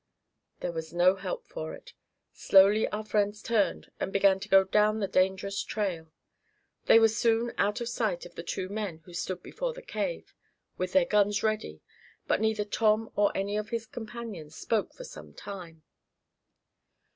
There was no help for it. Slowly our friends turned and began to go down the dangerous trail. They were soon out of sight of the two men who stood before the cave, with their guns ready, but neither Tom nor any of his companions spoke for some time.